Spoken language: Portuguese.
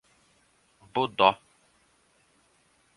Bodó